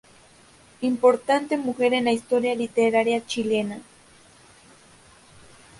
Importante mujer en la historia literaria chilena.